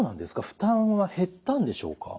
負担は減ったんでしょうか？